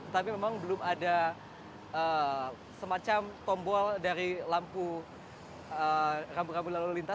tapi memang belum ada semacam tombol dari lampu rambu rambu lalu lintas